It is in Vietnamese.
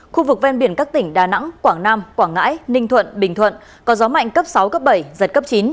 khu vực ven biển các tỉnh đà nẵng quảng nam quảng ngãi ninh thuận bình thuận có gió mạnh cấp sáu cấp bảy giật cấp chín